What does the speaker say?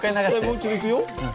もう一度いくよ。